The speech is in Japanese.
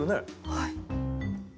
はい。